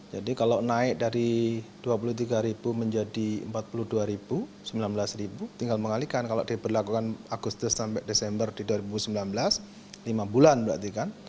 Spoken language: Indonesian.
jadi kalau naik dari dua puluh tiga ribu menjadi empat puluh dua ribu sembilan belas ribu tinggal mengalihkan kalau diberlakukan agustus sampai desember dua ribu sembilan belas lima bulan berarti kan